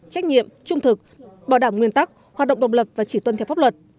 trách nhiệm trung thực bảo đảm nguyên tắc hoạt động độc lập và chỉ tuân theo pháp luật